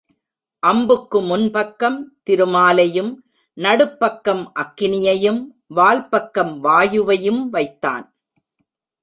அம்புக்கு முன் பக்கம் திருமாலையும், நடுப்பக்கம் அக்கினியையும், வால் பக்கம் வாயுவையும் வைத்தான்.